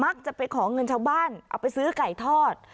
จะไปขอเงินชาวบ้านเอาไปซื้อไก่ทอด